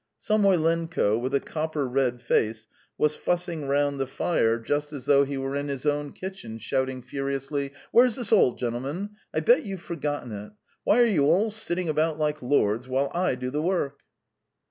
Samoylenko, with a copper red face, was fussing round the fire just as though he were in his own kitchen, shouting furiously: "Where's the salt, gentlemen? I bet you've forgotten it. Why are you all sitting about like lords while I do the work?"